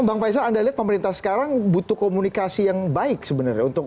pak fajro anda lihat pemerintah sekarang butuh komunikasi yang baik sebenarnya